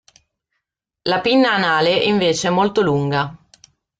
La pinna anale invece è molto lunga.